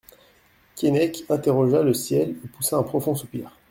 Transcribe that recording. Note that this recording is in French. Keinec interrogea le ciel et poussa un profond soupir.